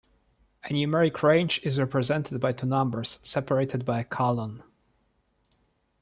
A numeric range is represented by two numbers separated by a colon.